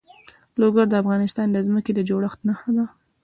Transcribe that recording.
لوگر د افغانستان د ځمکې د جوړښت نښه ده.